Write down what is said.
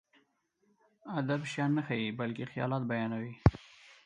ادب شيان نه ښيي، بلکې خيالات بيانوي.